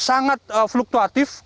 ini sangat fluktuatif